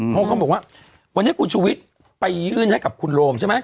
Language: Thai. เพราะเขาบอกว่าวันนี้คุณชูวิทย์ไปยื่นให้กับคุณโรมใช่ไหม